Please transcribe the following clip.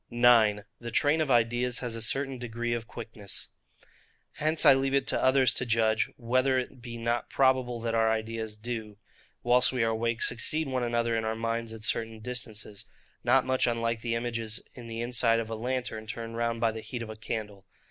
9. The Train of Ideas has a certain Degree of Quickness. Hence I leave it to others to judge, whether it be not probable that our ideas do, whilst we are awake, succeed one another in our minds at certain distances; not much unlike the images in the inside of a lantern, turned round by the heat of a candle.